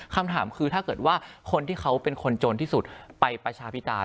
คำถามคือถ้าเกิดว่าคนที่เขาเป็นคนจนที่สุดไปประชาพิตา